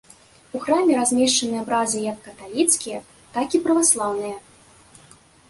У храме размешчаны абразы як каталіцкія, так і праваслаўныя.